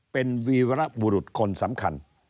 เป็นวีรบุรุษคนสำคัญ